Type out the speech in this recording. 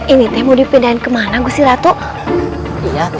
ini temudipin dan kemana gue si ratu iya gue